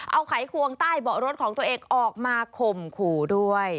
เอาไขควงใต้เบาะรถของตัวเองออกมาข่มขู่ด้วย